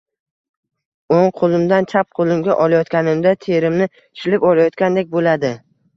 O‘ng qo‘limdan chap qo‘limga olayotganimda terimni shilib olayotgandek bo‘ladi.